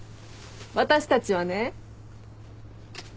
私たちはね。